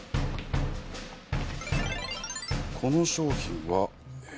この商品はえ。